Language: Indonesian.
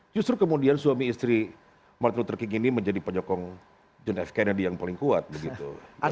justru kemudian suami istri martin luther king ini menjadi penyokong john f kennedy yang paling kuat begitu